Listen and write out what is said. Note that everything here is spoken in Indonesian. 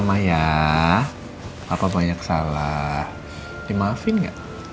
oh sambil foto boleh dong